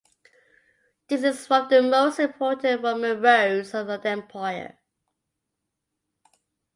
This is one of the most important Roman roads of the Empire.